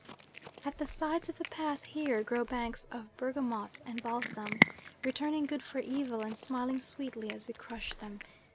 At the sides of the path here grow banks of bergamot and balsam, returning good for evil and smiling sweetly as we crush them.